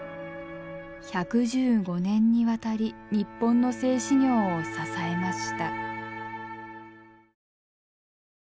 １１５年にわたり日本の製糸業を支えました。